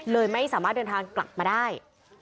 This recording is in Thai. ไม่สามารถเดินทางกลับมาได้